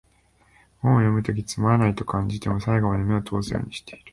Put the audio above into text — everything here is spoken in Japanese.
本を読むときつまらないと感じても、最後まで目を通すようにしてる